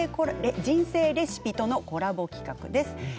人生レシピ」とのコラボ企画です。